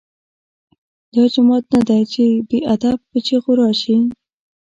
دا جومات نه دی چې بې ادب په چیغو راشې.